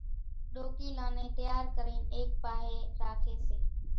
ڏوڪيلان نين تيار ڪرين ايڪ پاھي راکي سي۔